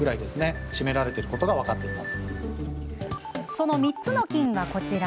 その３つの菌が、こちら。